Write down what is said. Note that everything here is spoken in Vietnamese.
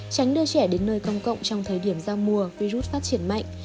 tránh đưa trẻ đến nơi công cộng trong thời điểm giao mùa virus phát triển mạnh